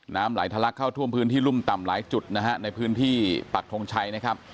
น้ำไหลทะลักเข้าท่วมพื้นที่รุ่มต่ำหลายจุดนะฮะในพื้นที่ปักทงชัยนะครับ